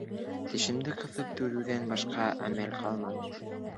Тешемде ҡыҫып түҙеүҙән башҡа әмәл ҡалманы.